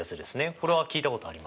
これは聞いたことあります。